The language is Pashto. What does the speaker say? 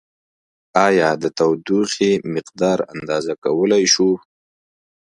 ایا د تودوخې مقدار اندازه کولای شو؟